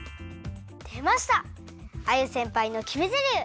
でましたアユせんぱいのきめゼリフ！